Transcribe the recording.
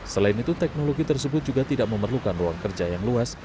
selain itu teknologi tersebut juga tidak memerlukan ruang kerja yang luas